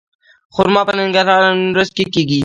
خرما په ننګرهار او نیمروز کې کیږي.